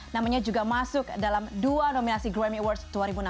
namanya juga masuk dalam dua nominasi grammy awards dua ribu enam belas